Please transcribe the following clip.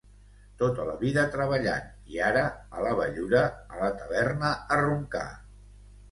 Tota la vida treballant i ara, a la vellura, a la taverna a roncar.